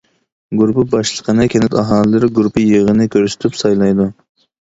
گۇرۇپپا باشلىقىنى كەنت ئاھالىلىرى گۇرۇپپا يىغىنى كۆرسىتىپ سايلايدۇ.